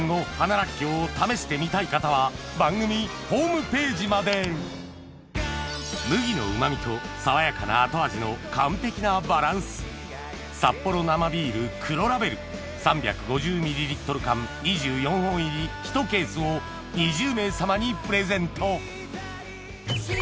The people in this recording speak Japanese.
らっきょうを試してみたい方は番組ホームページまで麦のうまみと爽やかな後味の完璧なバランスサッポロ生ビール黒ラベル３５０ｍ缶２４本入り１ケースを２０名様にプレゼント